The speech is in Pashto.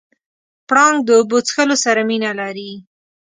پړانګ د اوبو څښلو سره مینه لري.